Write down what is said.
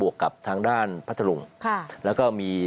๒วันครับเพิ่งตก